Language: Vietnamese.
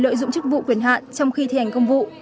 lợi dụng chức vụ quyền hạn trong khi thi hành công vụ